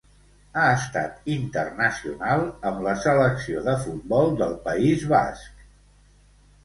Ha estat internacional amb la selecció de futbol del País Basc.